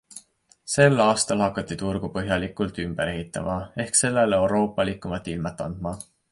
Sel aastal hakati turgu põhjalikult ümber ehitama ehk sellele euroopalikumat ilmet andma.